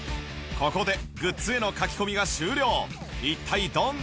ここでグッズへの描き込みが終了